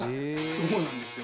そうなんですよ。